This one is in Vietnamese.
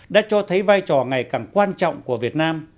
đã cho thấy vai trò ngày càng quan trọng của việt nam